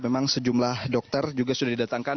memang sejumlah dokter juga sudah didatangkan